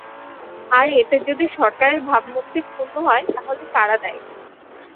আর এতে যদি সরকারের ভাবমূর্তি ক্ষুণ্ন হয়, তাহলে কারা দায়ী?